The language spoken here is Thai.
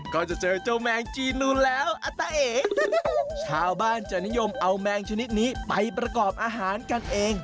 ก็จะเจอเจ้าแมงจีนูนแล้วอัตตาเอกชาวบ้านจะนิยมเอาแมงชนิดนี้ไปประกอบอาหารกันเอง